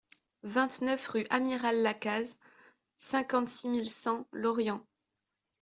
vingt-neuf rue Amiral Lacaze, cinquante-six mille cent Lorient